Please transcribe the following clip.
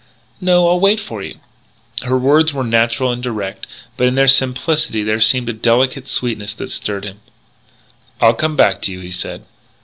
"No, I'll wait for you." Her words were natural and direct, but in their simplicity there seemed a delicate sweetness that stirred him. "I'll come back to you," he said.